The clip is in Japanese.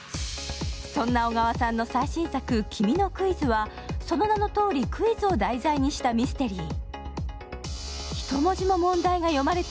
そんな小川さんの最新作「君のクイズ」はその名のとおりその名のとおりクイズを題材にしたミステリー。